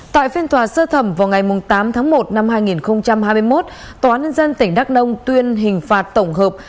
tại phiên tòa sơ thẩm vào ngày tám tháng một năm hai nghìn hai mươi một tnd tỉnh đắk đông tuyên hình phạt tổng hợp